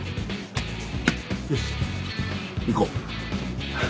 よし行こう。